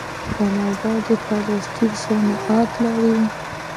کاناډا د پلاستیک صنعت لري.